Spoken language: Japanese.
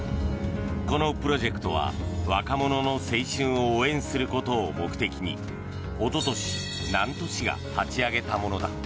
このプロジェクトは若者の青春を応援することを目的におととし南砺市が立ち上げたものだ。